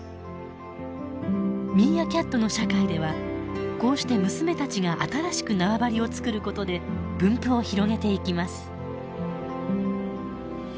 ミーアキャットの社会ではこうして娘たちが新しく縄張りを作ることで分布を広げていきます。